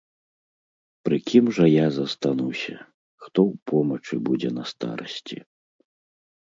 Пры кім жа я застануся, хто ў помачы будзе на старасці?